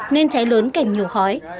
nên cháy lớn kềm nhiều khói